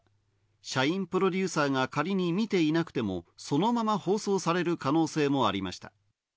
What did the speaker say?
社員プロデューサーが仮に見ていなくてもそのまま放送される可能性もありました。